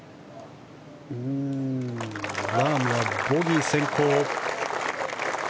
ラームはボギー先行。